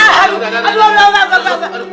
udah udah udah